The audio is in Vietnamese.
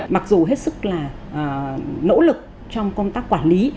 rất là nỗ lực trong công tác quản lý